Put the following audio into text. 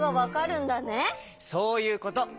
そういうこと。